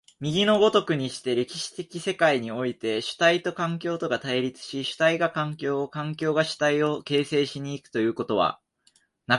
右の如くにして、歴史的世界において、主体と環境とが対立し、主体が環境を、環境が主体を形成し行くということは、